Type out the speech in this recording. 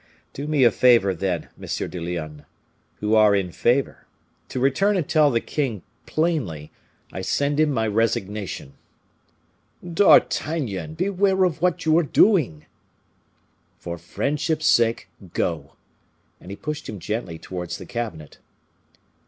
Do me the favor, then, M. de Lyonne, who are in favor, to return and tell the king, plainly, I send him my resignation." "D'Artagnan, beware of what you are doing!" "For friendship's sake, go!" and he pushed him gently towards the cabinet.